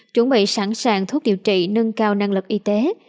chuẩn bị sẵn sàng thuốc điều trị nâng cao năng lực y tế